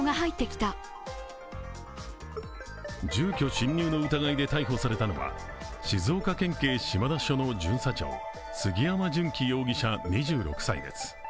住居侵入の疑いで逮捕されたのは静岡県警島田署の巡査長杉山隼基容疑者２６歳です。